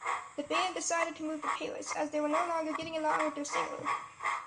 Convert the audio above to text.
The band decided to move to Paris, as they were no longer getting along with their singer.